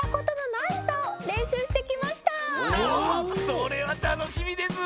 それはたのしみです。